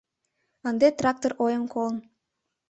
Ынде трактыр ойым колын